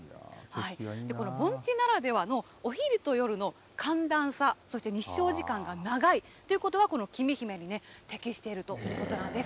この盆地ならではのお昼と夜の寒暖差、そして日照時間が長いということが、きみひめに適しているということなんです。